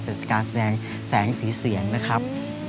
เป็นการแสดงแสงสีเสียงนะครับ